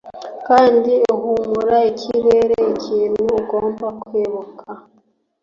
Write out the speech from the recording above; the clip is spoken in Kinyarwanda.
kandi ihumura ikirere.ikintu ugomba kwibuka